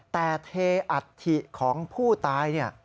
แต่เทอัฐิของผู้ตายเนี่ย